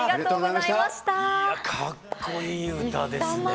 いやかっこいい歌ですね。